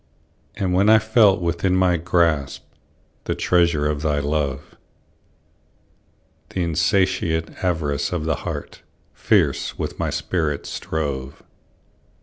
And when I felt within my grasp, The treasure of thy love; The insatiate avarice of the heart Fierce with my spirit strove.